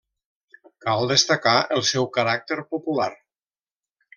Cal destacar el seu caràcter popular.